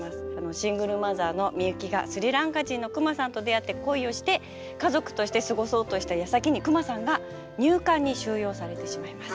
シングルマザーのミユキがスリランカ人のクマさんと出会って恋をして家族として過ごそうとしたやさきにクマさんが入管に収容されてしまいます。